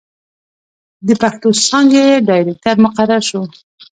َد پښتو څانګې ډائرکټر مقرر شو